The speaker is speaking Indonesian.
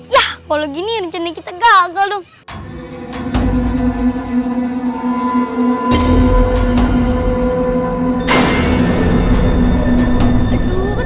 ya kalau gini rencana kita gagal dong